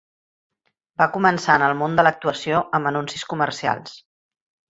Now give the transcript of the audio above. Va començar en el món de l'actuació amb anuncis comercials.